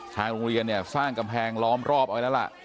ทางโรงเรียนเนี่ยสร้างกำแพงล้อมรอบเอาไว้แล้วล่ะ